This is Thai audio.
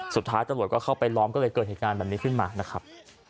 สุดท้ายตำรวจก็เข้าไปล้อมก็เลยเกิดเหตุการณ์แบบนี้ขึ้นมานะครับ